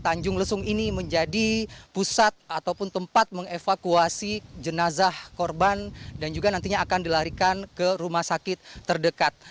tanjung lesung ini menjadi pusat ataupun tempat mengevakuasi jenazah korban dan juga nantinya akan dilarikan ke rumah sakit terdekat